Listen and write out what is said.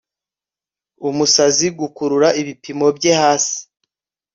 Umusazi gukurura ibipimo bye hasi